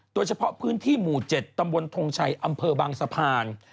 โดยเฉพาะพื้นที่หมู่๗ตำบลทงชัยอำเภอบางสะพาน